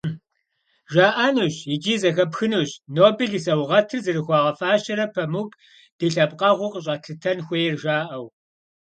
ЖаӀэнущ, икӀи зэхэпхынущ, Нобель и саугъэтыр зэрыхуагъэфэщара Памук ди лъэпкъэгъуу къыщӀэтлъытэн хуейр, жаӀэу.